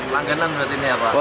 langganan berarti ini apa